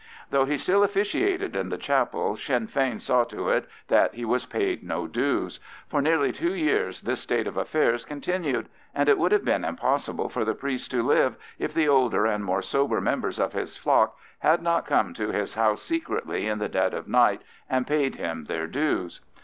Though he still officiated in the chapel, Sinn Fein saw to it that he was paid no dues. For nearly two years this state of affairs continued, and it would have been impossible for the priest to live if the older and more sober members of his flock had not come to his house secretly in the dead of night and paid him their dues.